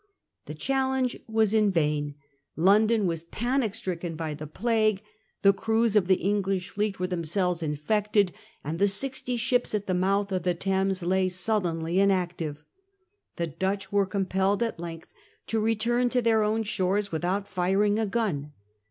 The challenge November was in vain. London was panic stricken by 1 5 the Plague, the crews of the English fleet were themselves infected, and the sixty ships at the mouth of the Thames lay sullenly inactive. The Dutch were com pelled at length to return to their own shores without firing a gun.